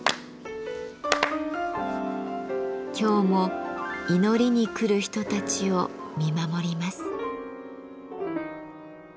今日も祈りに来る人たちを見守ります。